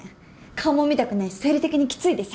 顔も見たくないし生理的にきついです。